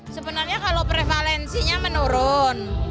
sebenarnya kalau prevalensinya menurun